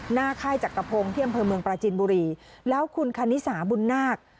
ค่ายจักรพงศ์ที่อำเภอเมืองปราจินบุรีแล้วคุณคณิสาบุญนาค